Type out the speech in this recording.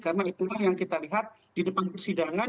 karena itulah yang kita lihat di depan persidangan